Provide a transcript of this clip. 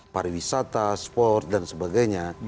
pariwisata sport dan sebagainya